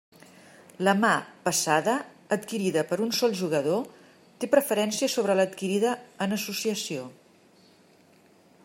La mà passada adquirida per un sol jugador té preferència sobre l'adquirida en associació.